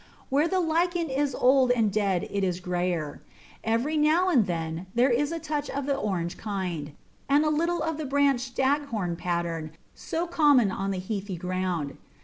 Where the lichen is old and dead it is greyer; every now and then there is a touch of the orange kind, and a little of the branched stag horn pattern so common on the heathy ground.